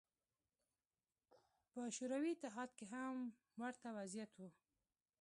په شوروي اتحاد کې هم ورته وضعیت و.